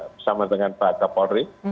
bersama dengan pak kapolri